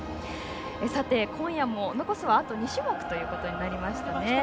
さて、今夜も残すはあと２種目となりました。